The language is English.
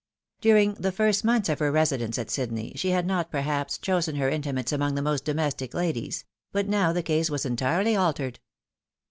During the first months of her residence at Sydney, she had not, perhaps, chosen her intimates among the most domestic ladies ; but now the case was entirely altered.